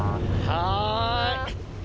はい。